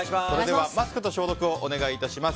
マスクと消毒をお願いします。